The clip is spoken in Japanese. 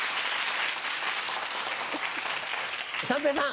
三平さん。